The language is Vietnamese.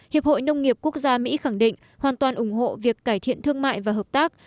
hiệp hội nông nghiệp quốc gia mỹ khẳng định hoàn toàn ủng hộ việc cải thiện thương mại và hợp tác